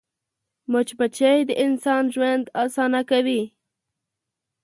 مچمچۍ د انسان ژوند اسانه کوي